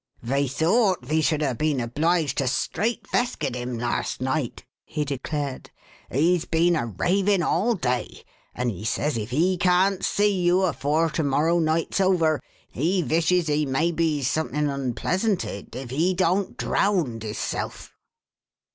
"Ve thought ve should ha' been obliged to straitveskit him last night," he declared. "He's been a ravin' all day; and he says if he can't see you afore to morrow night's over, he vishes he may be somethin' unpleasanted if he don't drownd hisself."